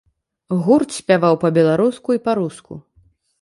Гурт спяваў па-беларуску і па-руску.